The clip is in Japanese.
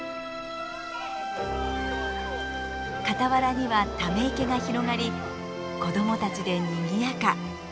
傍らにはため池が広がり子どもたちでにぎやか。